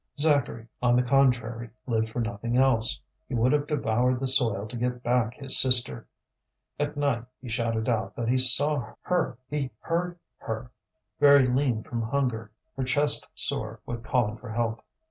Zacharie on the contrary, lived for nothing else; he would have devoured the soil to get back his sister. At night he shouted out that he saw, her, he heard her, very lean from hunger, her chest sore with calling for help.